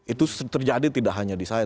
itu terjadi tidak hanya di saya